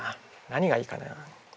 何がいいかな。